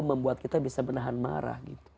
membuat kita bisa menahan marah